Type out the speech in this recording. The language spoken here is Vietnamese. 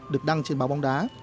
được đăng trên báo bóng đá